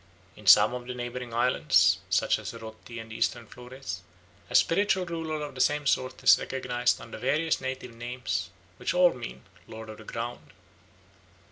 In some of the neighbouring islands, such as Rotti and eastern Flores, a spiritual ruler of the same sort is recognised under various native names, which all mean "lord of the ground."